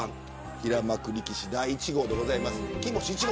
平幕力士、第１号でございます。